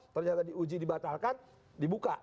ternyata diuji dibatalkan dibuka